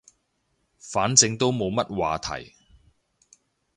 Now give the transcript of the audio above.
反正都冇乜話題